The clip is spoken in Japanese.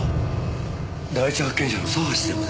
第一発見者の佐橋専務ですね？